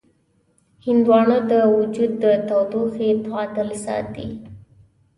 هندوانه د وجود د تودوخې تعادل ساتي.